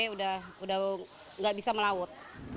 sudah tidak bisa melaut